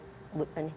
pak arief hidayat ya